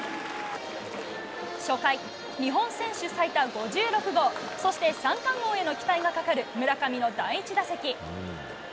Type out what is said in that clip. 初回、日本選手最多５６号、そして三冠王への期待がかかる村上の第１打席。